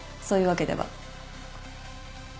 そういうわけでは。